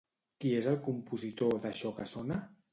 Qui és el compositor d'això que sona?